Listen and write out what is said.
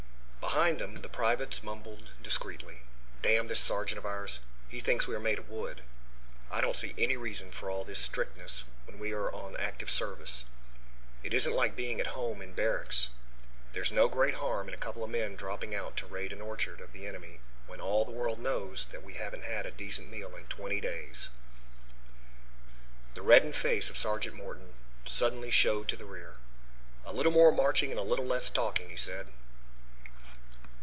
Behind them the privates mumbled discreetly. "Damn this sergeant of ours. He thinks we are made of wood. I don't see any reason for all this strictness when we are on active service. It isn't like being at home in barracks! There is no great harm in a couple of men dropping out to raid an orchard of the enemy when all the world knows that we haven't had a decent meal in twenty days." The reddened face of Sergeant Morton suddenly showed to the rear. "A little more marching and less talking," he said.